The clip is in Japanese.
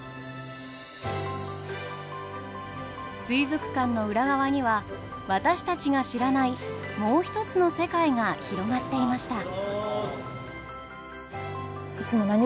水族館の裏側には私たちが知らないもうひとつの世界が広がっていました。